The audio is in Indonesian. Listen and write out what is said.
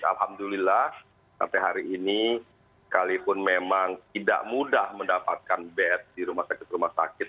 alhamdulillah sampai hari ini sekalipun memang tidak mudah mendapatkan bed di rumah sakit rumah sakit